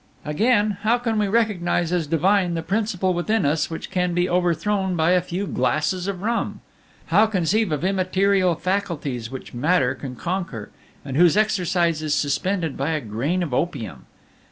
"Again, how can we recognize as divine the principle within us which can be overthrown by a few glasses of rum? How conceive of immaterial faculties which matter can conquer, and whose exercise is suspended by a grain of opium?